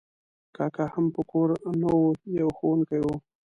کاکا هم په کور نه و، یو ښوونکی و.